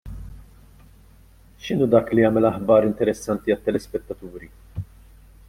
X'inhu dak li jagħmel aħbar interessanti għat-telespettaturi?